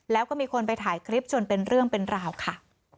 แล้วก็มีคนไปถ่ายคลิปจนเป็นเรื่องเป็นราวค่ะ